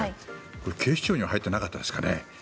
これ、警視庁には入っていなかったですかね？